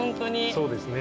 そうですね。